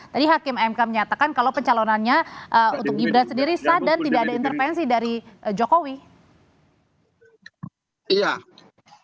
tadi hakim mk menyatakan kalau pencalonannya untuk gibran sendiri sadar tidak ada intervensi dari jokowi